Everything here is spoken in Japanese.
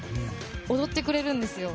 踊ってくれるんですよ。